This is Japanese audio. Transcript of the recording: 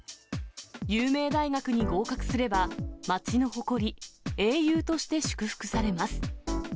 有名大学に合格すれば、街の誇り、英雄として祝福されます。